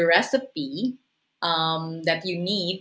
resepi yang kamu butuhkan